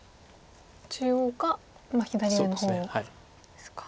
中央か左上の方ですか。